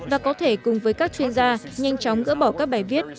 và có thể cùng với các chuyên gia nhanh chóng gỡ bỏ các bài viết